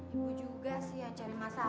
ibu juga sih ya cari masalah